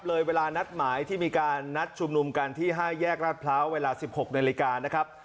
เวลานัดหมายที่มีการนัดชุมนุมกันที่๕แยกราชพร้าวเวลา๑๖นาฬิกานะครับ